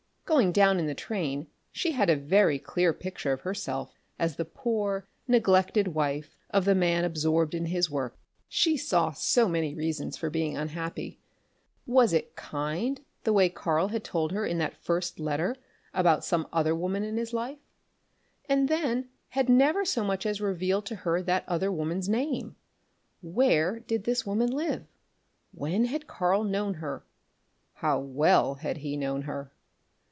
Going down in the train she had a very clear picture of herself as the poor, neglected wife of the man absorbed in his work. She saw so many reasons for being unhappy. Was it kind the way Karl had told her in that first letter about some other woman in his life, and then had never so much as revealed to her that other woman's name? Where did this woman live? When had Karl known her? How well had he known her?